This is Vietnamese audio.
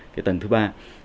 cái tầng thứ ba